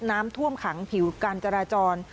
น้ำท่วมขังผิวการจราจร